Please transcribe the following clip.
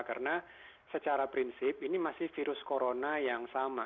karena secara prinsip ini masih virus corona yang sama